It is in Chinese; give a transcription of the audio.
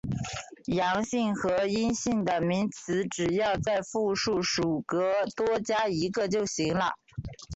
阳性和阴性的名词只要在复数属格多加一个就行了。